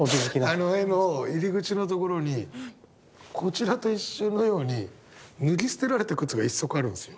あの絵の入り口のところにこちらと一緒のように脱ぎ捨てられた靴が１足あるんですよ。